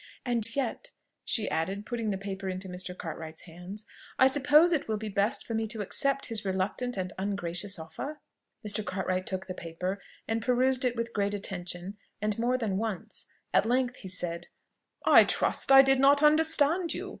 And yet," she added, putting the paper into Mr. Cartwright's hands, "I suppose it will be best for me to accept his reluctant and ungracious offer?" Mr. Cartwright took the paper, and perused it with great attention, and more than once. At length he said, "I trust I did not understand you.